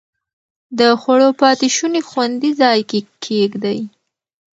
د خوړو پاتې شوني خوندي ځای کې کېږدئ.